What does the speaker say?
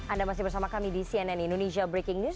anda masih bersama kami di cnn indonesia breaking news